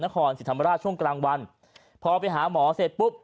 นครสิรรภรรณ์ช่วงกลางวันพอไปหาหมอเสร็จปุ๊บ